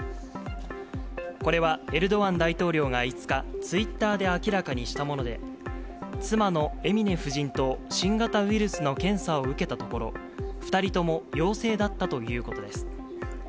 これはエルドアン大統領が５日、ツイッターで明らかにしたもので、妻のエミネ夫人と新型ウイルスの検査を受けたところ、２人とも陽性だったということです。